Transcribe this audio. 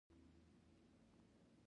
دوهمه کوزده د ښو پيسو سره ښه خوند کيي.